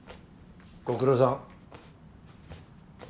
ご苦労さん。